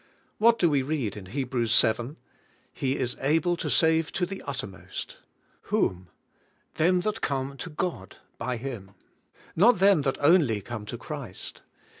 What do we read in Hebrews vii? "He is able to save to the uttermost." — Whom? "Them that come to God by Him;" not them that only come to Christ.